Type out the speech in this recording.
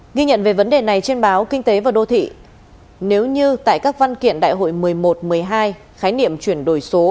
ghi nhận về vấn đề này trên báo kinh tế và đô thị nếu như tại các văn kiện đại hội một mươi một một mươi hai khái niệm chuyển đổi số